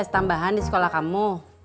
ada les tambahan di sekolah kamu